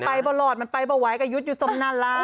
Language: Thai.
มันไปบ่หลอดมันไปบ่ไหว้กะยุดอยู่สมนาราคม